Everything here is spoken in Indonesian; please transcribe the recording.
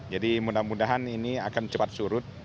jadi mudah mudahan ini akan cepat surut